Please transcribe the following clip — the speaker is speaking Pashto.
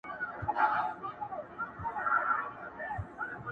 هغه د خلکو له نظره پټه ساتل کيږي هلته،